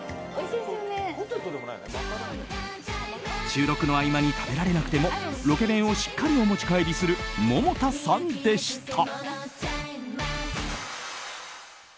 収録の合間に食べられなくてもロケ弁をしっかりお持ち帰りする百田さんでした。